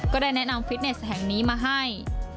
ก็ได้แนะนำฟิตเนสแห่งนี้มาให้